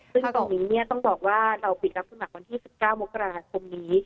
ซึ่งตรงนี้เนี่ยต้องบอกว่าเราปิดรับคุณหลักวันที่๑๙มกราคมนี้